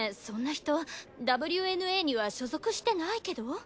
そんな人ＷＮＡには所属してないけど。